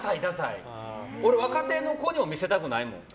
俺、若手の子にも見せたくないもん。